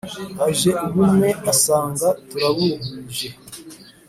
aje ubumwe asanga turabuhuje